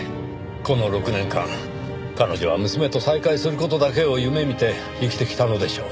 この６年間彼女は娘と再会する事だけを夢見て生きてきたのでしょう。